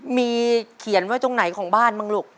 มีเขียนไว้ตรงไหนของบ้านบ้างลูก